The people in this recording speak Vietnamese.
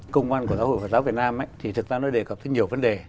công văn của giáo hội phật giáo việt nam ấy thì thực ra nó đề cập rất nhiều vấn đề